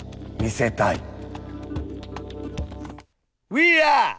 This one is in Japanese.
ウィーアー。